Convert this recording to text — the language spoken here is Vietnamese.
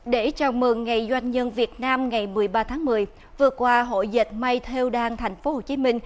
để chào mừng ngày doanh nhân việt nam ngày một mươi ba tháng một mươi vừa qua hội dịch may theo đan tp hcm